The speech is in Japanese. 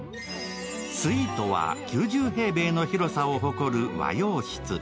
スイートは９０平米の広さを誇る和洋室。